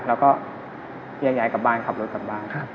แล้วก็แยกย้ายกลับบ้านขับรถกลับบ้าน